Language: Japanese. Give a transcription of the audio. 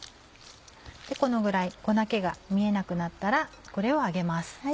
このぐらい粉気が見えなくなったらこれを揚げます。